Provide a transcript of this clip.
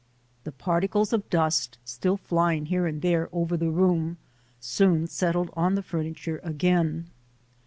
The parti cles of dust, still flying here and there over the room, soon settled on the furniture again.